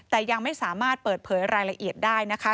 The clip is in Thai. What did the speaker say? แต่ยังไม่สามารถเปิดเผยรายละเอียดได้นะคะ